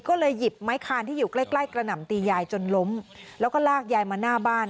ก็เลยหยิบไม้คานที่อยู่ใกล้ใกล้กระหน่ำตียายจนล้มแล้วก็ลากยายมาหน้าบ้าน